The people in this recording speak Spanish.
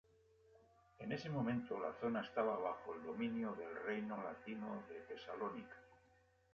En ese momento, la zona estaba bajo el dominio del Reino latino de Tesalónica.